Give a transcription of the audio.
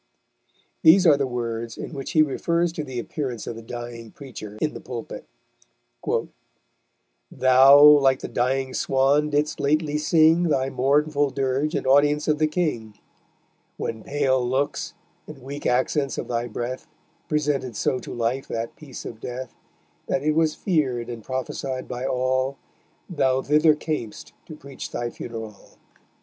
These are the words in which he refers to the appearance of the dying preacher in the pulpit: _Thou (like the dying Swan) didst lately sing Thy mournful dirge in audience of the King; When pale looks, and weak accents of thy breath Presented so to life that piece of death, That it was feared and prophesied by all Thou thither cam'st to preach thy funeral_.